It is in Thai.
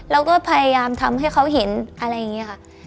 เราก็พยายามทำให้เขาเห็นอะไรอย่างนี้ค่ะ